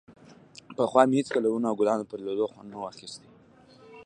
پخوا مې هېڅکله د ونو او ګلانو پر ليدو خوند نه و اخيستى.